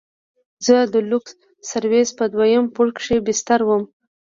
زه د لوکس سرويس په دويم پوړ کښې بستر وم.